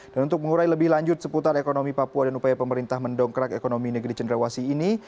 dan untuk mengurai lebih lanjut seputar ekonomi papua dan upaya pemerintah mendongkrak ekonomi negeri cenderawasi ini